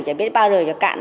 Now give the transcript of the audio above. chẳng biết bao giờ cho cạn